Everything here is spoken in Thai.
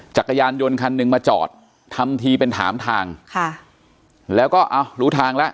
จักรยานยนต์คันหนึ่งมาจอดทำทีเป็นถามทางค่ะแล้วก็เอารู้ทางแล้ว